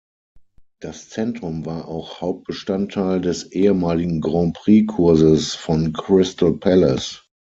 Das Zentrum war auch Hauptbestandteil des ehemaligen Grand-Prix-Kurses von Crystal-Palace.